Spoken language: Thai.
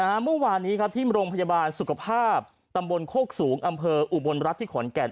เมื่อวานนี้ครับที่โรงพยาบาลสุขภาพตำบลโคกสูงอำเภออุบลรัฐที่ขอนแก่น